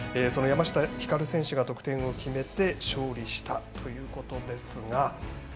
その山下光選手が得点を決めて勝利したということですが。